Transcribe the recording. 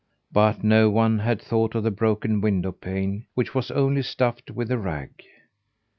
But no one had thought of the broken window pane which was only stuffed with a rag.